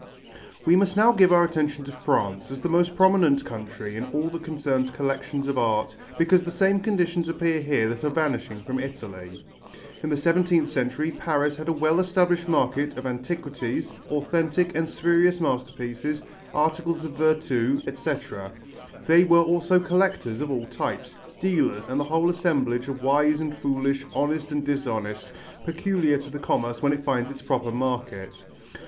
We must now give our attention to France as the most prominent country in all that concerns collections of art, because the same conditions appear here that are vanishing from Italy. In the seventeenth century Paris had a well established market of antiquities, authentic and spurious masterpieces, articles of virtu, etc.; there were also collectors of all types, dealers and the whole assemblage of wise and foolish, honest and dishonest, peculiar to the commerce when it finds its proper market.